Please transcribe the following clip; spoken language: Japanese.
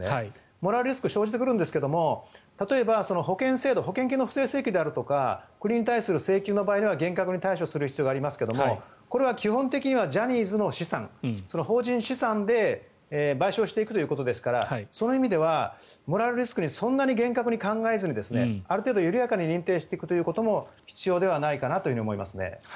モラルリスクが生じてくるんですが例えば保険制度保険金の不正請求であるとか国に対する請求の場合は厳格に対処する場合がありますがこれは基本的にはジャニーズの資産法人資産で賠償していくということですからその意味ではモラルリスクにそんなに厳格に考えずにある程度緩やかに認定していくということも必要ではないかなと思いますね。